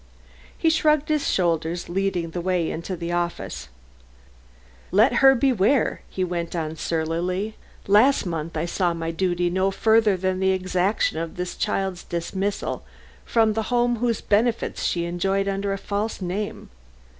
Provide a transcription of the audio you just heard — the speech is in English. He shrugged his shoulders, leading the way into the office. "Let her beware!" he went on surlily. "Last month I saw my duty no further than the exaction of this child's dismissal from the home whose benefits she enjoyed under a false name.